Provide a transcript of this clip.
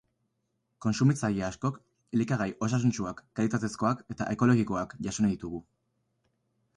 Kontsumitzaile askok elikagai osasuntsuak, kalitatezkoak eta ekologikoak jaso nahi ditugu.